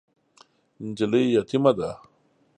نجلۍ یتیمه ده .